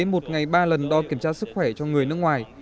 một ngày ba lần đo kiểm tra sức khỏe cho người nước ngoài